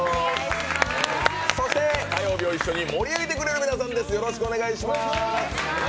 そして火曜日を一緒に盛り上げてくれる皆さんです。